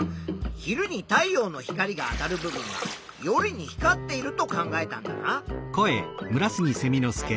昼に太陽の光が当たる部分が夜に光っていると考えたんだな。